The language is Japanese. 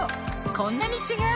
こんなに違う！